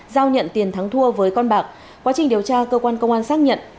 giao nhận tiền thắng thua với con bạc quá trình điều tra cơ quan công an xác nhận